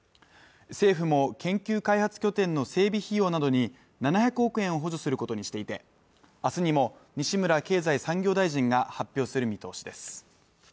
政府も研究開発拠点の整備費用などに７００億円を補助することにしていて明日にも西村経済産業大臣が発表する見通しです